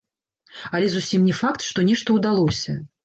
Але зусім не факт, што нешта ўдалося.